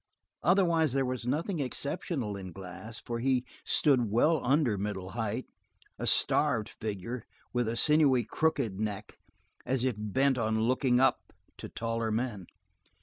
Otherwise there was nothing exceptional in Glass, for he stood well under middle height, a starved figure, with a sinewy crooked neck, as if bent on looking up to taller men.